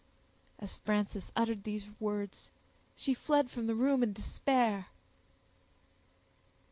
As Frances uttered these words she fled from the room in despair.